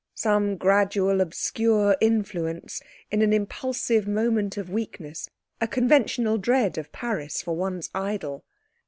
Some gradual obscure influence, in an impulsive moment of weakness, a conventional dread of Paris for one's idol.